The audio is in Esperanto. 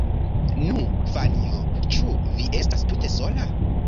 Nu, Fanjo, ĉu vi estas tute sola?